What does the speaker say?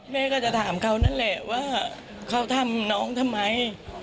แม่ก็จะถามเขานั่นแหละว่าเขาทำน้องทำไม